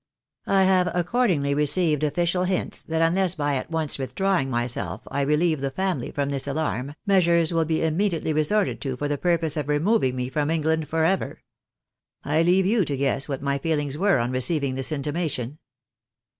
I have accordingly received official hints that unless by at once withdrawing myself I relieve the family from this alarm, measures will be immediately resorted to for the purpose of removing me from England for ever. I leave you to guess what my feelings were on receiving this intimation."